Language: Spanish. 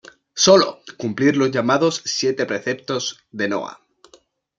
Sólo cumplir los llamados siete preceptos de Noah.